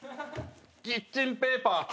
キッチンペーパー。